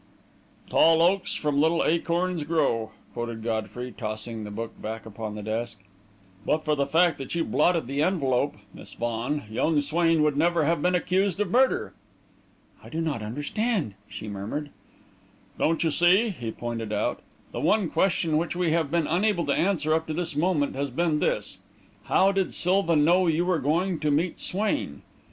"'Tall oaks from little acorns grow,'" quoted Godfrey, tossing the book back upon the desk. "But for the fact that you blotted the envelope, Miss Vaughan, young Swain would never have been accused of murder." "I do not understand," she murmured. "Don't you see," he pointed out, "the one question which we have been unable to answer up to this moment has been this: how did Silva know you were going to meet Swain?